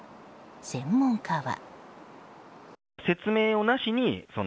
専門家は。